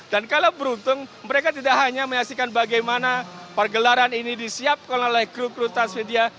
dan kalau beruntung mereka tidak hanya menyaksikan bagaimana pergelaran ini disiapkan oleh kru kru transmedia